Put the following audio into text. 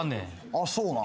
あっそうなん？